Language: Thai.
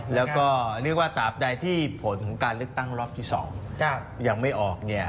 แล้วก็เรียกว่าตามใดที่ผลของการเลือกตั้งรอบที่๒ยังไม่ออกเนี่ย